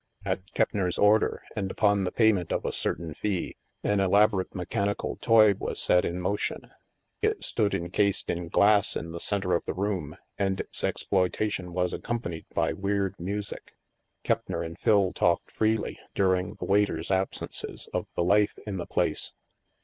At Keppner's order and upon the pa)rment of a certain fee, an elaborate mechanical toy was set in motion. It stood encased in glass in the center of the room, and its exploitation was accompanied by weird music. Keppner and Phil talked freely, during the wait er's absences, of the life in the place.